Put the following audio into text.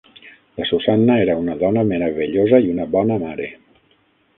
La Susanna era una dona meravellosa i una bona mare.